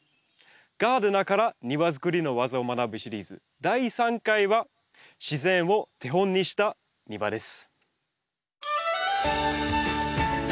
ガーデナーから庭づくりの技を学ぶシリーズ第３回は自然を手本にした庭です。